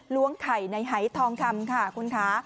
ล้วงไข่ในหายทองคำค่ะคุณคะ